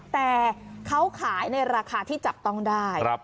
แต่เขาขายในราคาที่จับต้องได้